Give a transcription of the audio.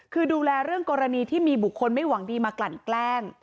คือดูแลเรื่องกรณีที่มีบุคคลไม่หวังดีมากลั่นแกล้ง